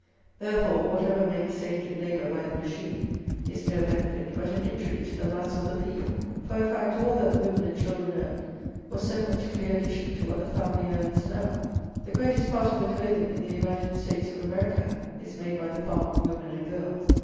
Therefore, whatever may be saved in labour by the machine is no benefit, but an injury to the mass of the people. For, in fact, all that the women and children earned was so much clear addition to what the family earns now. The greatest part of the clothing in the United States of America is made by the farm women and girls.